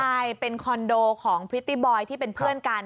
ใช่เป็นคอนโดของพริตตี้บอยที่เป็นเพื่อนกัน